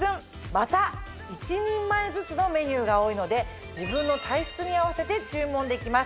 また１人前ずつのメニューが多いので自分の体質に合わせて注文できます。